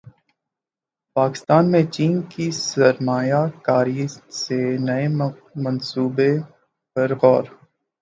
پاکستان میں چین کی سرمایہ کاری سے نئے منصوبوں پر غور